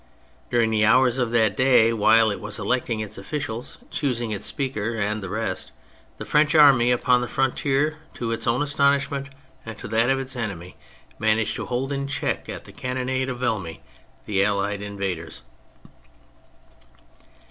During the hours of that day, while it was electing its officials, choosing its Speaker and the rest, the French Army upon the frontier, to its own astonishment and to that of its enemy, managed to hold in check at the cannonade of Vahny the allied invaders.